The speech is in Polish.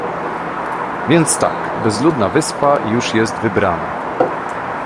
"Więc tak: Bezludna wyspa już jest wybrana."